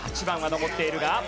８番は残っているが。